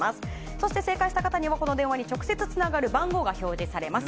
そして正解した方にはこの電話に直接つながる番号が表示されます。